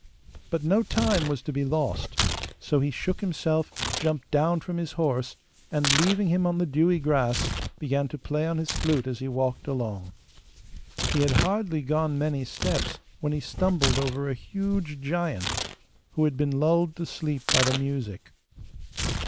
But no time was to be lost, so he shook himself, jumped down from his horse, and, leaving him on the dewy grass, began to play on his flute as he walked along. He had hardly gone many steps when he stumbled over a huge giant, who had been lulled to sleep by the music.